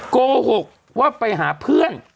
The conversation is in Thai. โกหกว่าไปหาเพื่อน